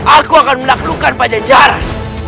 aku akan melaklukkan pada jahat